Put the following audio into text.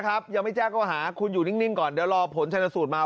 นะครับแล้วไม่ได้จะเขาอาหารคุณอยู่นิ่งก่อนเดี๋ยวรอผลชันสุดมา